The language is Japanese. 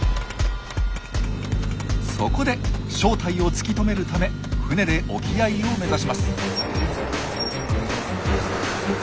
そこで正体を突き止めるため船で沖合を目指します。